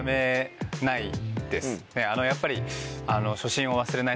やっぱり。